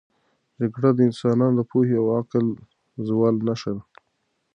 جګړه د انسانانو د پوهې او عقل د زوال نښه ده.